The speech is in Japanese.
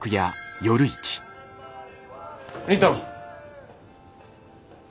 倫太郎。